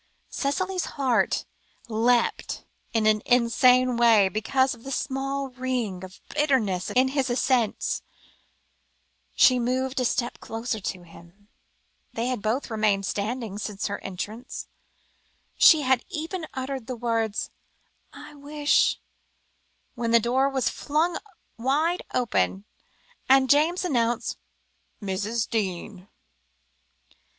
Cicely's heart leapt in an insane way, because of the sudden ring of bitterness in his accents, she moved a step nearer to him (they had both remained standing since her entrance), she had even uttered the words, "I wish" when the door was flung wide open, and James announced, "Mrs. Deane."